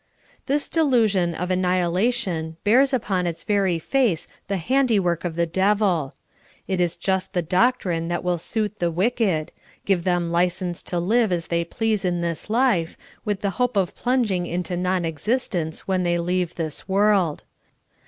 This delusion of annihilation bears upon its very 92 SOUL FOOD. face the handiwork of the devil ; it is just the doctrine that will suit the wicked — give them license to live as they please in this life, with the hope of plunging into non existence when the}' leave this world.